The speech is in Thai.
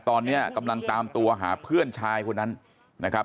ตอนนี้กำลังตามตัวหาเพื่อนชายคนนั้นนะครับ